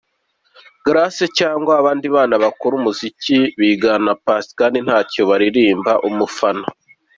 Grace cyangwa abandi bana bakora umuziki bigana Paccy kandi ntacyo baririmba, umufana.